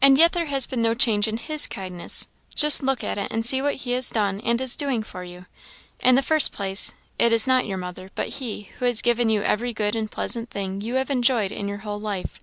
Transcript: "And yet there has been no change in his kindness. Just look at it, and see what he has done and is doing for you. In the first place, it is not your mother, but he, who has given you every good and pleasant thing you have enjoyed in your whole life.